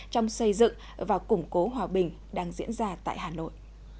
trong xây dựng và củng cố hòa bình đang diễn ra tại hà nội